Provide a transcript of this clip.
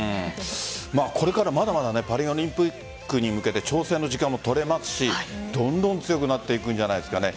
これから、まだまだパリオリンピックに向けて調整の時間、取れますしどんどん強くなっていくんじゃないですかね。